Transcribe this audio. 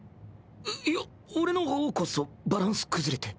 いや俺の方こそバランス崩れて。